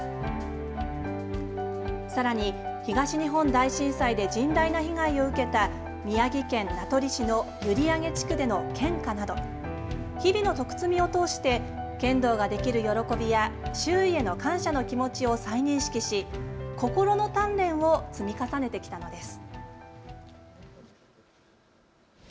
さらに東日本大震災で甚大な被害を受けた宮城県名取市の閖上地区での献花など、日々の徳積を通して剣道ができる喜びや周囲への感謝の気持ちを再認識し心の鍛錬を積み重ねてきたのです。